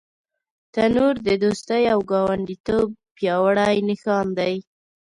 تنور د دوستۍ او ګاونډیتوب پیاوړی نښان دی